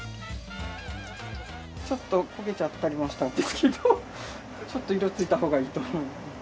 ちょっと焦げちゃったりもしたんですけどちょっと色ついたほうがいいと思います。